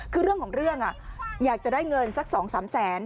คือเรื่องของเรื่องอยากจะได้เงินสัก๒๓แสน